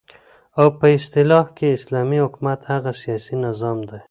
او په اصطلاح كې اسلامي حكومت هغه سياسي نظام دى